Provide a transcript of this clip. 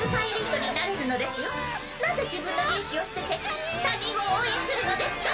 なぜ自分の利益を捨てて他人を応援するのですか！？